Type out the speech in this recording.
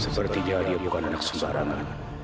sepertinya dia bukan anak sembarangan